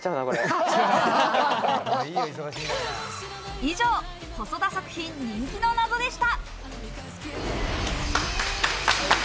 以上、細田作品人気のナゾでした。